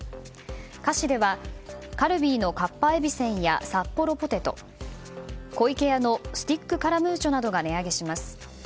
菓子では、カルビーのかっぱえびせんやサッポロポテト湖池屋のスティックカラムーチョなどが値上げします。